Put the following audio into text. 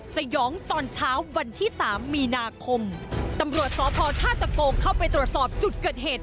สยองตอนเช้าวันที่สามมีนาคมตำรวจสพท่าตะโกงเข้าไปตรวจสอบจุดเกิดเหตุ